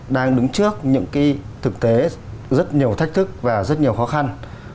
đang đứng trước những thực tế rất nhiều thách thức và rất nhiều khó khăn